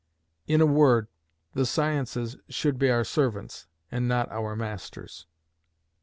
In a word, the sciences should be our servants, and not our masters.